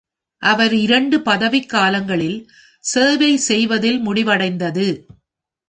அவர் இரண்டு பதவிக் காலங்களில் சேவை செய்வதில் முடிவடைந்தது.